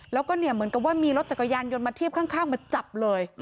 แล้วก็เนี่ยเหมือนกับว่ามีรถจักรยานยนต์มาเทียบข้างมาจับเลย